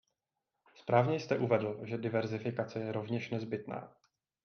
Správně jste uvedl, že diverzifikace je rovněž nezbytná.